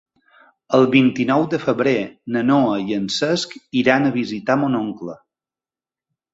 El vint-i-nou de febrer na Noa i en Cesc iran a visitar mon oncle.